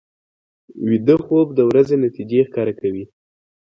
ویده خوب د ورځې نتیجې ښکاره کوي